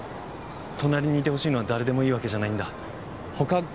隣にいてほしいのは誰でもいいわけじゃないんだほか